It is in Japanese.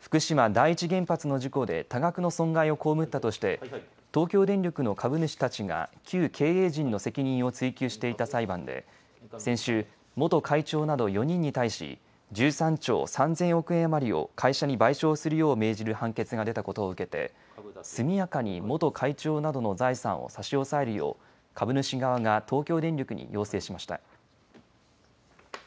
福島第一原発の事故で多額の損害を被ったとして東京電力の株主たちが旧経営陣の責任を追及していた裁判で先週、元会長など４人に対し１３兆３０００億円余りを会社に賠償するよう命じる判決が出たことを受けて速やかに元会長などの財産を差し押さえるよう株主側が東京電力に要請しました。